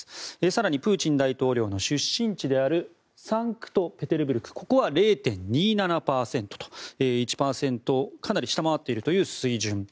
更に、プーチン大統領の出身地サンクトペテルブルクはここは０．２７％と１％をかなり下回っているという水準。